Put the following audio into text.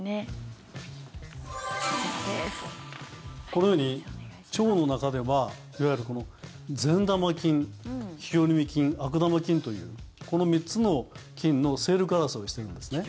このように腸の中ではいわゆる善玉菌日和見菌、悪玉菌というこの３つの菌の勢力争いをしているんですね。